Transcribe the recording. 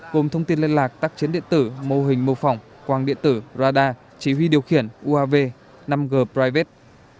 gồm thông tin liên lạc tác chiến điện tử mô hình mô phỏng quang điện tử radar chỉ huy điều khiển uav năm g private